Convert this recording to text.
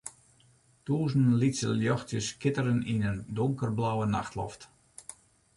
Tûzenen lytse ljochtsjes skitteren yn in donkerblauwe nachtloft.